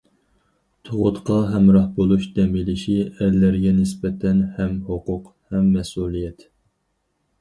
تۇغۇتقا ھەمراھ بولۇش دەم ئېلىشى ئەرلەرگە نىسبەتەن ھەم ھوقۇق، ھەم مەسئۇلىيەت.